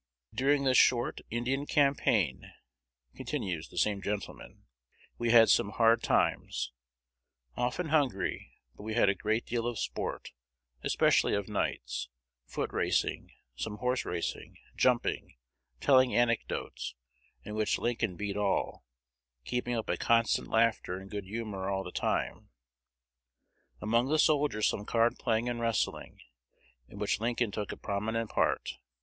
"During this short Indian campaign," continues the same gentleman, "we had some hard times, often hungry; but we had a great deal of sport, especially of nights, foot racing, some horse racing, jumping, telling anecdotes, in which Lincoln beat all, keeping up a constant laughter and good humor all the time; among the soldiers some card playing, and wrestling, in which Lincoln took a prominent part.